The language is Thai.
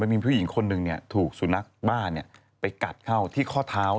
มีผู้หญิงคนหนึ่งถูกสุนัขบ้านไปกัดเข้าที่ข้อเท้า